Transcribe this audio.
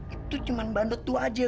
itu cuma bandot tua aja